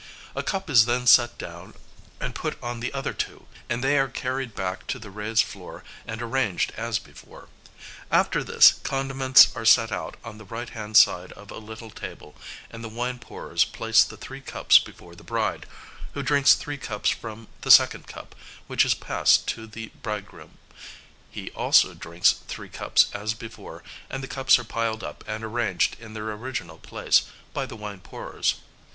A cup is then set down and put on the other two, and they are carried back to the raised floor and arranged as before. After this, condiments are set out on the right hand side of a little table, and the wine pourers place the three cups before the bride, who drinks three cups from the second cup, which is passed to the bridegroom; he also drinks three cups as before, and the cups are piled up and arranged in their original place, by the wine pourers.